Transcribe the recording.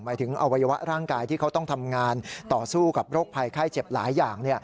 หมายถึงอวัยวะร่างกายที่เขาต้องทำงานต่อสู้กับโรคภัยไข้เจ็บหลายอย่าง